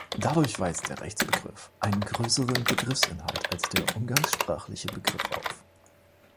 Dadurch weist der Rechtsbegriff einen größeren Begriffsinhalt als der umgangssprachliche Begriff auf.